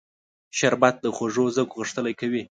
شربت د خوږو ذوق غښتلی کوي